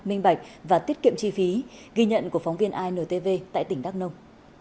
minh bạch và tiết kiệm chi phí ghi nhận của phóng viên intv tại tỉnh đắk nông